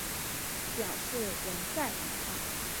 表示仍在榜上